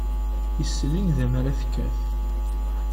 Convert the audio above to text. Isel i nnda mi ara tekkat.